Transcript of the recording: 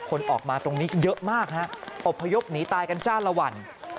คนออกมาตรงนี้เยอะมากฮะอบพยพหนีตายกันจ้าละวัน